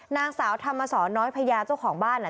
นางสาวธรรมสรน้อยพญาเจ้าของบ้าน